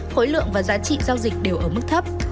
khối lượng và giá trị giao dịch đều ở mức thấp